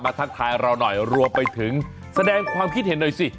ทักทายเราหน่อยรวมไปถึงแสดงความคิดเห็นหน่อยสิ